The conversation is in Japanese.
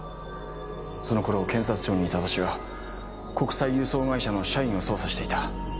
その頃検察庁にいた私は国際輸送会社の社員を捜査していた。